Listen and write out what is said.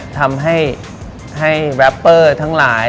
ทำให้แรปเปอร์ทั้งหลาย